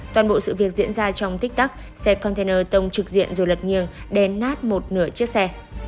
toàn bộ sự việc diễn ra trong tích tắc xe container tông trực diện rồi lật nhường đen nát một nửa chiếc xe